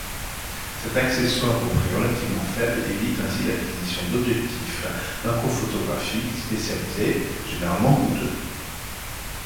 Cet accessoire au prix relativement faible évite ainsi l'acquisition d'objectifs macrophotographiques spécialisés, généralement coûteux.